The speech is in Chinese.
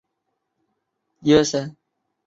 工词善曲。